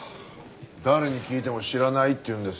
誰に聞いても知らないって言うんですよ。